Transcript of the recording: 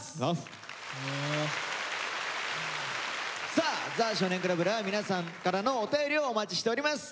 さあ「ザ少年倶楽部」では皆さんからのお便りをお待ちしております。